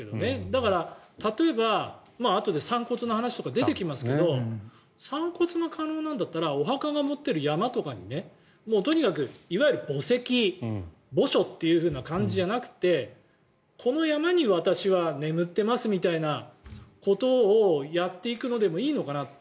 だから例えばあとで散骨の話とか出てきますけど散骨が可能なんだったらお墓が、持っている山とかにとにかくいわゆる墓石墓所っていう感じじゃなくてこの山に私は眠ってますみたいなことをやっていくのでもいいのかなと。